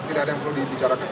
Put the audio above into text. tidak ada yang perlu dibicarakan